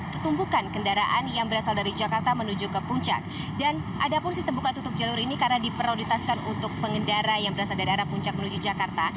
petumbukan kendaraan yang berasal dari jakarta menuju ke puncak dan ada pun sistem buka tutup jalur ini karena diprioritaskan untuk pengendara yang berasal dari arah puncak menuju jakarta